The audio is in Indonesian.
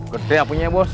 gede apunya ya bos